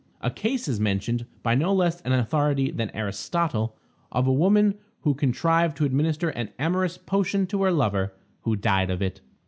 A case is mentioned by no less an authority than Aristotle, of a woman who contrived to administer an amorous potion to her lover, who died of it.